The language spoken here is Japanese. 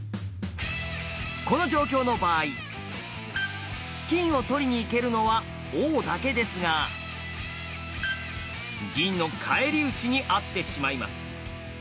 この状況の場合金を取りにいけるのは「王」だけですが銀の返り討ちにあってしまいます。